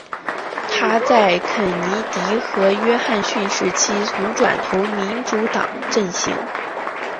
她在肯尼迪和约翰逊时期曾转投民主党阵型。